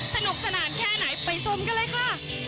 สนุกสนานแค่ไหนไปชมกันเลยค่ะ